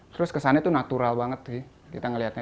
terus kesannya itu natural banget sih kita ngeliatnya